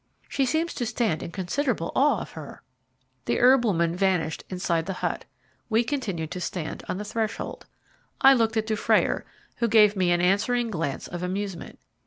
She seems to stand in considerable awe of her." The herb woman vanished inside the hut. We continued to stand on the threshold. I looked at Dufrayer, who gave me an answering glance of amusement.